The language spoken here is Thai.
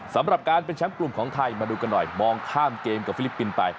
สำหรับการเป็นแชมป์กลุ่มของไทยมาดูกันหน่อยมองข้ามเกมกับฟิลิปปินส์ไป